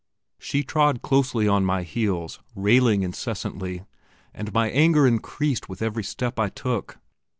She trod close on my heels, railing incessantly, and my anger increased with every step I took.